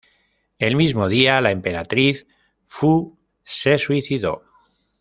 El mismo día la emperatriz Fu se suicidó.